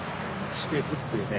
士別っていうね